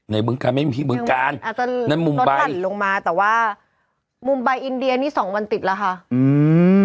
ในบึงการไม่มีบึงการอาจจะลดหั่นลงมามุมไบอินเดียนี่๒วันติดแล้วค่ะอื้ม